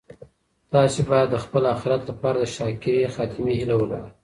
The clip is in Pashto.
تاسي باید د خپل اخیرت لپاره د شاکره خاتمې هیله ولرئ.